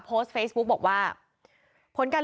โหวตตามเสียงข้างมาก